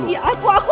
kamu tenang dulu